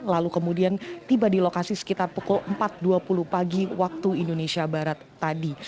lalu kemudian tiba di lokasi sekitar pukul empat dua puluh pagi waktu indonesia barat tadi